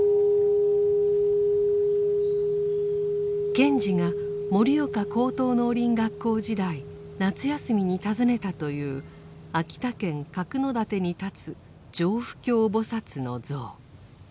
賢治が盛岡高等農林学校時代夏休みに訪ねたという秋田県角館に立つ常不軽菩薩の像。